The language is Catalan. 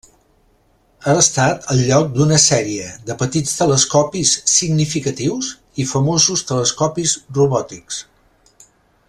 Ha estat el lloc d'una sèrie de petits telescopis significatius i famosos telescopis robòtics.